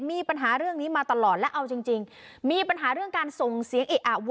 มีปัญหาเรื่องนี้มาตลอดและเอาจริงจริงมีปัญหาเรื่องการส่งเสียงเอะอะวะ